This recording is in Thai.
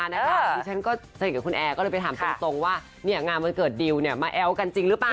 ดิฉันก็สนิทกับคุณแอร์ก็เลยไปถามตรงว่างานวันเกิดดิวมาแอ้วกันจริงหรือเปล่า